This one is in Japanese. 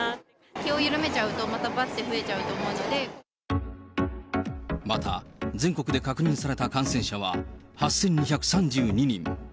気を緩めちゃうと、また、全国で確認された感染者は８２３２人。